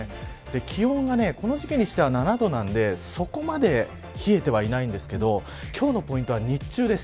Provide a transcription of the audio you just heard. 気温はこの時期にしては７度なんでそこまで冷えてはいないんですけど今日のポイントは日中です。